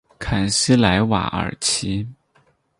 坎西莱瓦尔齐。